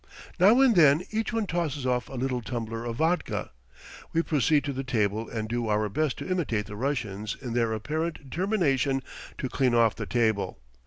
Now and then each one tosses off a little tumbler of vodka. We proceed to the table and do our best to imitate the Russians in their apparent determination to clean off the table.